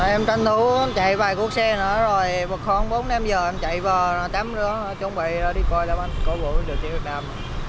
em tranh thủ chạy vài cuộc xe nữa rồi khoảng bốn năm giờ em chạy vào tắm rồi đó chuẩn bị đi coi là mình có vụ được tuyển việt nam